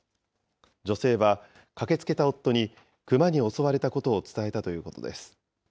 女性は、駆けつけた夫に、クマに襲われたことを伝えたということです。